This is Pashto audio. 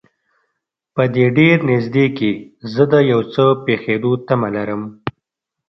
په دې ډېر نږدې کې زه د یو څه پېښېدو تمه لرم.